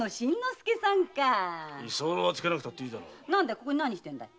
ここで何してるんだい？